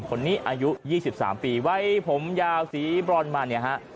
คนนี้อายุยี่สิบสามปีไว้ผมยาวสีบร้อนมาเนี่ยฮะ